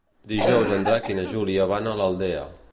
Dijous en Drac i na Júlia van a l'Aldea.